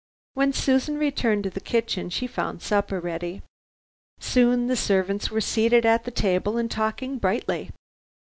When Susan returned to the kitchen she found supper ready. Soon the servants were seated at the table and talking brightly.